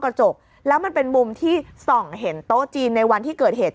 กระจกแล้วมันเป็นมุมที่ส่องเห็นโต๊ะจีนในวันที่เกิดเหตุ